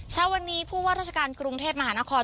เช้าวันนี้ผู้ว่าราชการกรุงเทพมหานคร